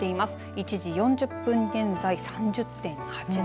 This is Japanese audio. １時４０分現在３０．８度。